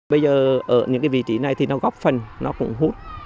bây giờ ở những cái vị trí này thì nó góp phần nó cũng hút